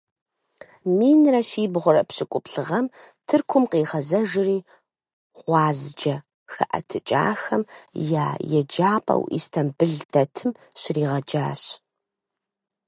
Минрэ щибгъурэ пщыкӀуплӀ гъэм Тыркум къигъэзэжри гъуазджэ хэӀэтыкӀахэм я еджапӀэу Истамбыл дэтым щригъэджащ.